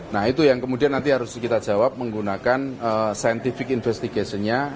nah itu yang kemudian nanti harus kita jawab menggunakan scientific investigation nya